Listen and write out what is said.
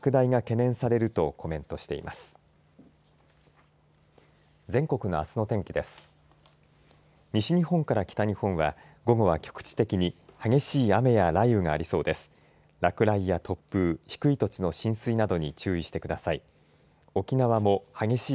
落雷や突風、低い土地の浸水などに注意してください。